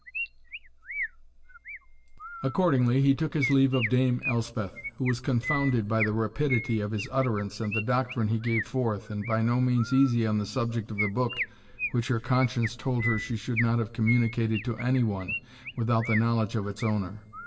Accordingly, he took his leave of Dame Elspeth, who was confounded by the rapidity of his utterance, and the doctrine he gave forth, and by no means easy on the subject of the book, which her conscience told her she should not have communicated to any one, without the knowledge of its owner.